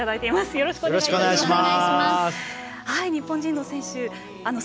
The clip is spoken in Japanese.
よろしくお願いします。